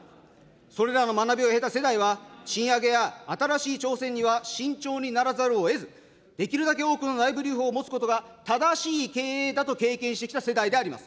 それらの学びを経た世代は、賃上げや新しい挑戦には慎重にならざるをえず、できるだけ多くの内部留保を持つことが、正しい経営だと経験してきた世代であります。